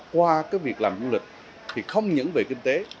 qua việc làm du lịch thì không những về kinh tế